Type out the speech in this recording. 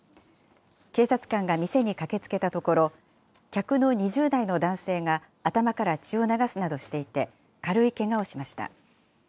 警察官が店に駆けつけたところ、客の２０代の男性が頭から血を流すなどしていて、軽いけがをしました。